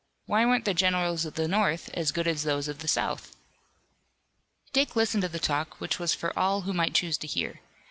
Why weren't the generals of the North as good as those of the South? Dick listened to the talk which was for all who might choose to hear.